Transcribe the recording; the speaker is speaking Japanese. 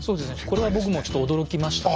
これは僕もちょっと驚きましたね。